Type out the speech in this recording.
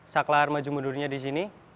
saklar maju mundurnya di sini